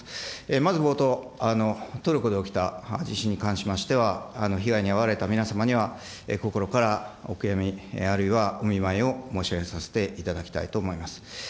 まず冒頭、トルコで起きた地震に関しましては、被害に遭われた皆様には、心からお悔やみ、あるいはお見舞いを申し上げさせていただきたいと思います。